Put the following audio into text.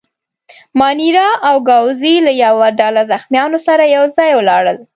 مانیرا او ګاووزي له یوه ډله زخیمانو سره یو ځای ولاړل.